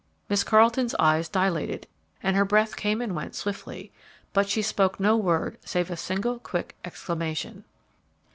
Miss Carleton's eyes dilated and her breath came and went swiftly, but she spoke no word save a single, quick exclamation.